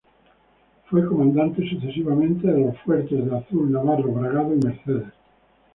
Fue comandante, sucesivamente, de los fuertes de Azul, Navarro, Bragado y Mercedes.